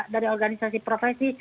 dari organisasi profesi